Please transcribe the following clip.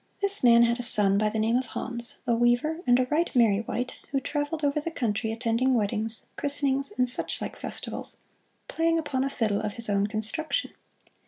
This man had a son by the name of Hans, a weaver and a right merry wight, who traveled over the country attending weddings, christenings and such like festivals, playing upon a fiddle of his own construction.